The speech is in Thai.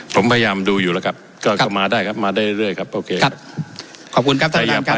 ผมพยายามดูอยู่แล้วกับก็ก็มาได้ครับมาได้เรื่อยเรื่อยครับโอเคครับขอบคุณครับท่านประธาน